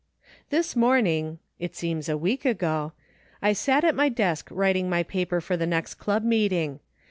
" This morning (it seems a week ago) I sat at my desk writing my paper for the next Club meeting.